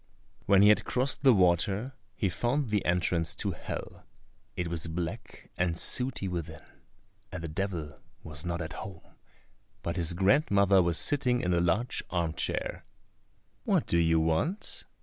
When he had crossed the water he found the entrance to Hell. It was black and sooty within, and the Devil was not at home, but his grandmother was sitting in a large arm chair. "What do you want?"